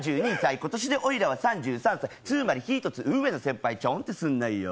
今年でおいらは３４歳、つまり１つ上の先輩、チョンってすんなよ。